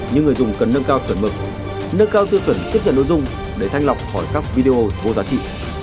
nhưng người dùng cần nâng cao chuẩn mực nâng cao tiêu chuẩn tiếp nhận nội dung để thanh lọc khỏi các video vô giá trị